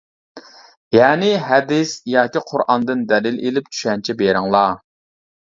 يەنى ھەدىس ياكى قۇرئاندىن دەلىل ئېلىپ چۈشەنچە بىرىڭلار.